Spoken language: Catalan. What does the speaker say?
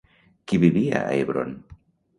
Qui vivia a Hebron?